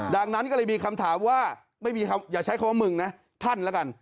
ดังนั้นก็เลยมีคำถามว่าไม่มีอย่าใช้คำว่ามึงนะท่านแล้วกัน